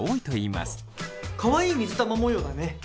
かわいい水玉模様だね。